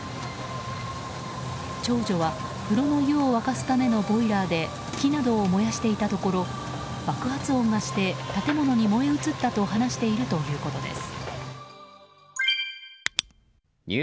長女は、風呂の湯を沸かすためのボイラーで木などを燃やしていたところ爆発音がして建物に燃え移ったと話しているということです。